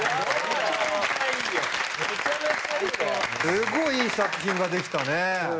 すごいいい作品が出来たね。